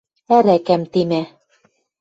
Ӓрӓкӓм темӓ.